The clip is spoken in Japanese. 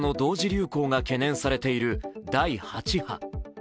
流行が懸念されている第８波。